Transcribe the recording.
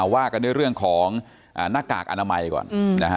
ว่ากันด้วยเรื่องของหน้ากากอนามัยก่อนนะฮะ